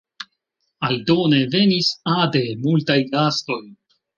Aldone venis ade multaj gastoj.